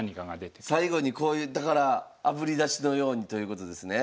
最後にこういうだからあぶり出しのようにということですね。